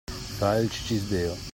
Fare il cicisbeo.